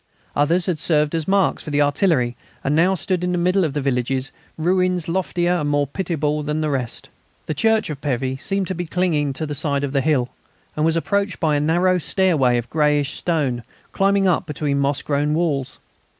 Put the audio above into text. Others had served as marks for the artillery, and now stood in the middle of the villages, ruins loftier and more pitiable than the rest. The church of Pévy seemed to be clinging to the side of the hill, and was approached by a narrow stairway of greyish stone, climbing up between moss grown walls.